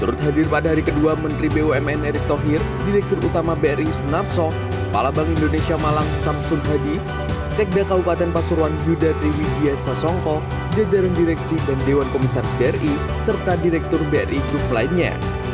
menurut hadir pada hari kedua menteri bumn erick thohir direktur utama bri sunarso palabang indonesia malang samsun hadi sekda kaupaten pasurwan yudha triwidya sasongko jajaran direksi dan dewan komisaris bri serta direktur bri duk lainnya